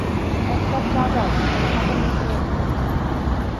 এক কাপ চা দাও, আর খাতায় লিখে রাখো।